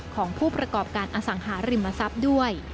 ของผู้ประกอบการอสังหาริมทรัพย์ด้วย